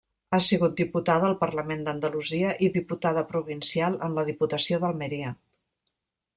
Ha sigut diputada al Parlament d'Andalusia i diputada provincial en la diputació d'Almeria.